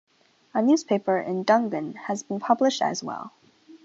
A newspaper in Dungan has been published as well.